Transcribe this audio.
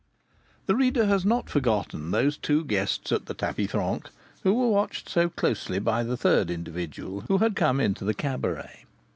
The reader has not forgotten the two guests at the tapis franc who were watched so closely by the third individual who had come into the cabaret.